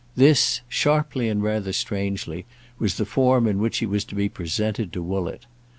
This, sharply and rather strangely, was the form in which he was to be presented to Woollett.